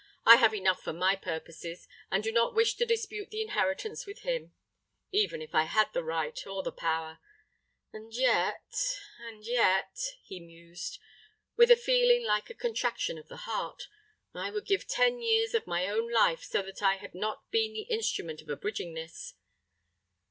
"I have enough for my purposes, and do not wish to dispute the inheritance with him—even if I had the right or the power. And yet—and yet," he mused, with a feeling like a contraction of the heart, "I would give ten years of my own life so that I had not been the instrument of abridging his!